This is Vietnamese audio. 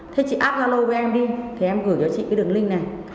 thế chị áp gia lô với em đi thì em gửi cho chị cái đường link này